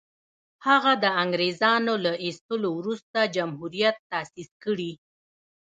هغه د انګرېزانو له ایستلو وروسته جمهوریت تاءسیس کړي.